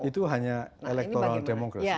itu hanya electoral demokrasi